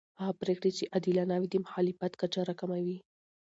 هغه پرېکړې چې عادلانه وي د مخالفت کچه راکموي